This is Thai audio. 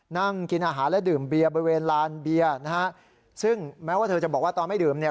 นั่งกินอาหารและดื่มเบียร์บริเวณลานเบียร์นะฮะซึ่งแม้ว่าเธอจะบอกว่าตอนไม่ดื่มเนี่ย